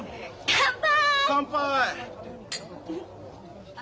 乾杯！